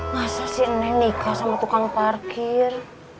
masa si neng nikah sama tukang parkir